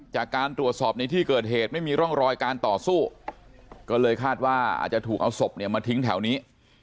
จากการตรวจสอบในที่เกิดเหตุไม่มีร่องรอยการต่อสู้ก็เลยคาดว่าอาจจะถูกเอาศพเนี่ยมาทิ้งแถวนี้